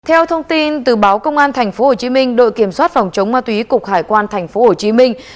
theo thông tin từ báo công an tp hcm đội kiểm soát phòng chống ma túy cục hải quan tp hcm